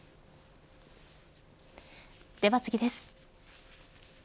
では次です。